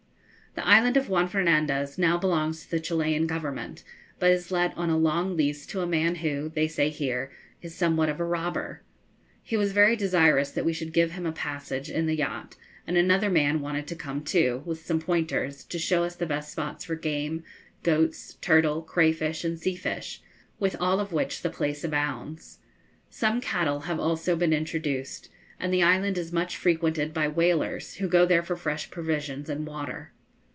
The island of Juan Fernandez now belongs to the Chilian government, but is let on a long lease to a man who, they say here, is somewhat of a robber. He was very desirous that we should give him a passage in the yacht, and another man wanted to come too, with some pointers, to show us the best spots for game, goats, turtle, crayfish, and sea fish, with all of which the place abounds. Some cattle have also been introduced, and the island is much frequented by whalers, who go there for fresh provisions and water.